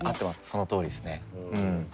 そのとおりですね。